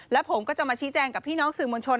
และผมก็จะมาชี้แจงกับพี่น้องสื่อมวลชน